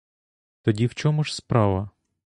Тоді в чому ж справа?